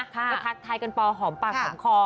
ก็ทักทายกันปอหอมปากหอมคอ